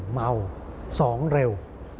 เมา๒เร็ว